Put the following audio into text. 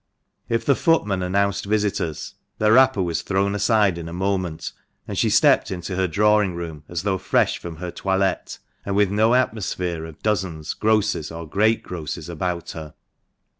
If the footman announced visitors, the wrapper was thrown aside in a moment, and she stepped into her drawing room as though fresh from her toilette, and with no atmosphere of dozens, grosses, or great grosses about her.